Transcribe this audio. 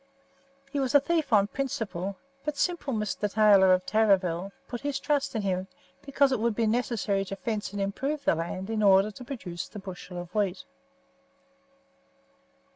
He was a thief on principle, but simple Mr. Taylor, of Tarraville, put his trust in him, because it would be necessary to fence and improve the land in order to produce the bushel of wheat.